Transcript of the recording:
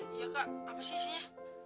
iya kak apa sih ya